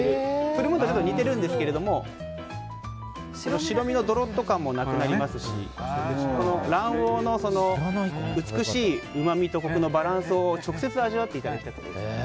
フルムーンと似ているんですけど白身のドロッと感もなくなりますし卵黄の美しいうまみとコクのバランスを直接味わっていただきたいと思います。